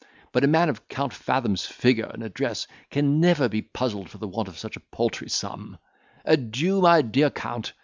But a man of Count Fathom's figure and address can never be puzzled for the want of such a paltry sum. Adieu, my dear Count!